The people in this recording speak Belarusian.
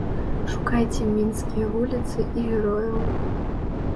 Шукайце мінскія вуліцы і герояў.